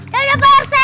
dadah pak rt